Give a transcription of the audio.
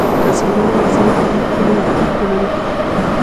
کسبګرو وسایل پرمختللي او ښه کړل.